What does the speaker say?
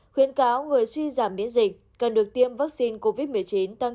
khuyến cáo người suy giảm biến dịch cần được tiêm vaccine covid một mươi chín